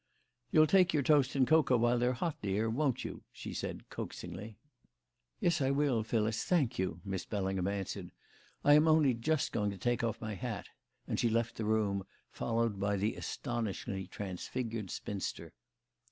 "You'll take your toast and cocoa while they're hot, dear, won't you?" she said coaxingly. "Yes, I will, Phyllis, thank you," Miss Bellingham answered. "I am only just going to take off my hat," and she left the room, followed by the astonishingly transfigured spinster.